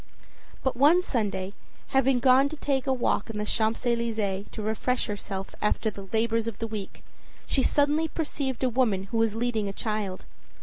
But one Sunday, having gone to take a walk in the Champs Elysees to refresh herself after the labors of the week, she suddenly perceived a woman who was leading a child.